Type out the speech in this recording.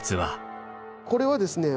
これはですね